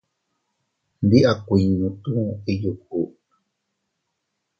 Ndi a kuinno tu iyuku.